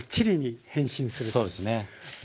そうですね。